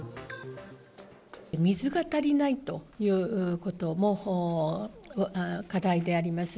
水が足りないということも課題であります。